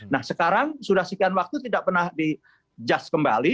nah sekarang sudah sekian waktu tidak pernah di just kembali